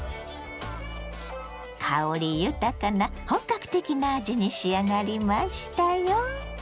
香り豊かな本格的な味に仕上がりましたよ。